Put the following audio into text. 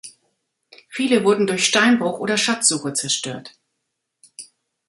Viele wurden durch Steinbruch oder Schatzsuche zerstört.